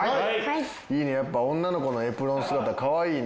やっぱ女の子のエプロン姿かわいいね。